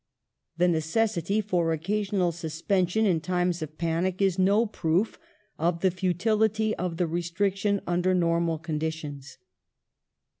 The necessity for occasional suspension in times of panic is no proof of the futility of the restriction under normal conditions.